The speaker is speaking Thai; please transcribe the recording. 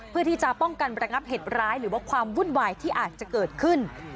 เพื่อที่จะป้องกันระงับเหตุร้ายหรือว่าความวุ่นวายที่อาจจะเกิดขึ้น